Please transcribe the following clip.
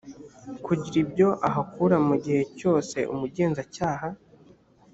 kugira ibyo ahakura mu gihe cyose umugenzacyaha